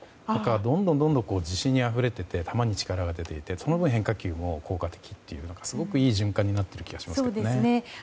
どんどん自信にあふれて球に力があふれててその分、変化球も効果的というすごくいい循環になっていますね。